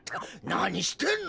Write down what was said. なにしてんの？